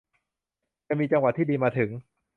จะมีจังหวะที่ดีมาถึง